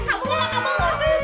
sorang anjur batur